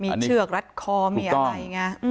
มีเชือกรัดคอมีอะไรไง